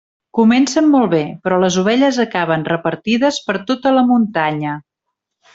Comencen molt bé, però les ovelles acaben repartides per tota la muntanya.